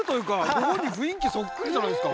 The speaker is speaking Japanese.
ご本人雰囲気そっくりじゃないですか。